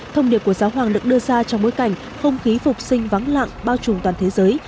thông điệp của giáo hoàng được đưa ra trong bối cảnh không khí phục sinh vắng lặng bao trùm toàn thế giới